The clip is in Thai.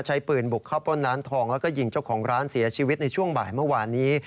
ใช้ปืนบุกเข้าป้นร้านทองแล้วก็ยิงเจ้าของร้านเสียชีวิตในช่วงบ่ายเมื่อวานนี้